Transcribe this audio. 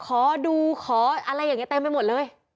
ขอดูขออะไรอย่างนี้เต็มไปหมดเลย